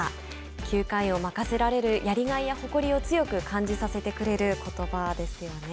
９回を任せられるやりがいや誇りを強く感じさせてくれることばですよね。